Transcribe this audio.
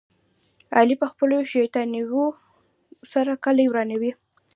علي په خپلو شیطانیو سره کلي ورانوي.